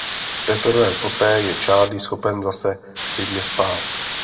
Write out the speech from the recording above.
Teprve poté je Charlie schopen zase klidně spát.